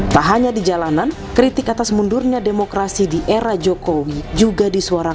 tak hanya di jalanan kritik atas mundurnya demokrasi di era jokowi juga disuarakan